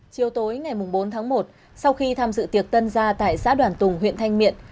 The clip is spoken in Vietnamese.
chiều tối ngày bốn tháng một sau khi tham dự tiệc tân gia tại xã đoàn tùng huyện thanh miện